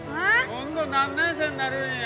今度何年生になるんや？